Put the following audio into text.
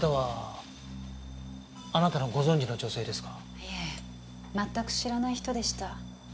いえ全く知らない人でした。